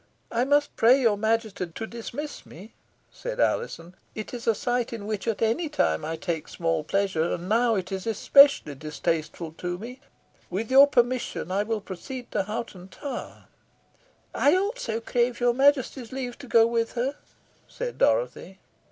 "I must pray your Majesty to dismiss me," said Alizon. "It is a sight in which at any time I take small pleasure, and now it is especially distasteful to me. With your permission, I will proceed to Hoghton Tower." "I also crave your Majesty's leave to go with her," said Dorothy.